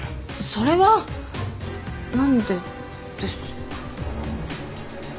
それは何でですかね。